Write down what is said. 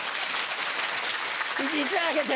１枚あげて。